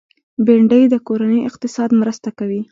بېنډۍ د کورني اقتصاد مرسته کوي